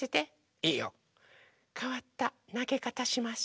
いいよ。かわったなげかたします。